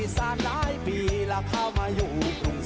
ท่านหวัง